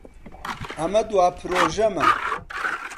ئەمە دوا پرۆژەمە.